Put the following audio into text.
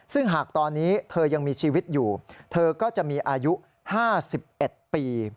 ซึ่งหากตอนนี้เธอยังมีชีวิตอยู่เธอก็จะมีอายุ๕๑ปี